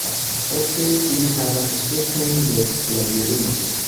Ofte ili havas aspekton de labirinto.